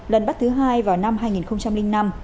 lần bắt thứ hai vào năm hai nghìn năm